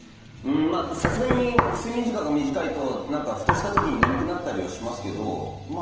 さすがに睡眠時間が短いと、ふとしたときに眠くなったりしますけどまあ